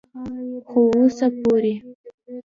خو اوسه پورې